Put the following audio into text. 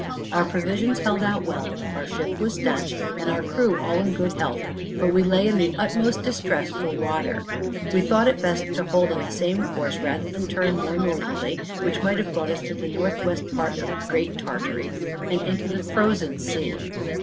Our provisions held out well, our ship was stanch, and our crew all in good health; but we lay in the utmost distress for water. We thought it best to hold on the same course, rather than turn more northerly, which might have brought us to the northwest part of Great Tartary, and into the Frozen Sea.